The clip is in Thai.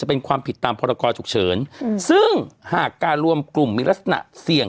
เป็นความผิดตามพรกรฉุกเฉินซึ่งหากการรวมกลุ่มมีลักษณะเสี่ยง